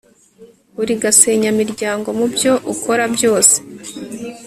uri gasenyamiryango mubyo ukora byose